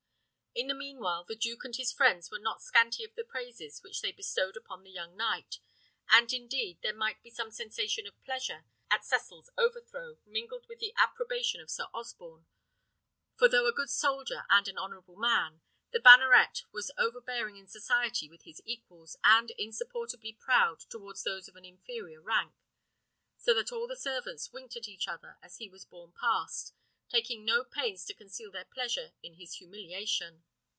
In the mean while the duke and his friends were not scanty of the praises which they bestowed upon the young knight; and indeed there might be some sensation of pleasure at Cecil's overthrow, mingled with their approbation of Sir Osborne; for though a good soldier and an honourable man, the banneret was overbearing in society with his equals, and insupportably proud towards those of an inferior rank, so that all the servants winked to each other as he was borne past, taking no pains to conceal their pleasure in his humiliation.